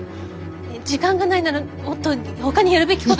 時間がないならもっとほかにやるべきこと。